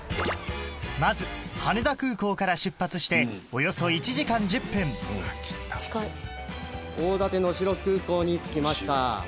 まず羽田空港から出発しておよそ１時間１０分大館能代空港に着きました。